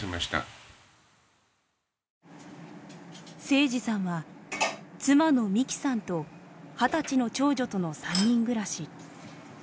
誠司さんは妻の美紀さんと二十歳の長女との３人暮らし。